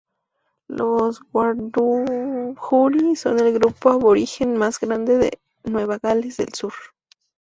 Los Wiradjuri son el grupo aborigen más grande de Nueva Gales del Sur.